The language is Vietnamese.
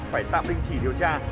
phải tạm đình chỉ điều tra